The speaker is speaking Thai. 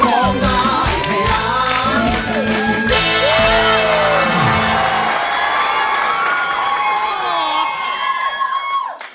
ร้องได้ให้ล้าน